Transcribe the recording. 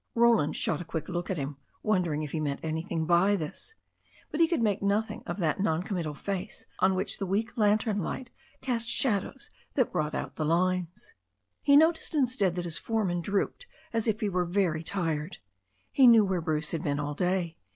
Roland shot a quick look at him, wondering if he meant anything by this. But he could make nothing of that non committal face, on which the weak lantern light cast shad ows that brought out the lines. He noticed instead that his foreman drooped as if he were very tired. He knew where Bruce had been all day.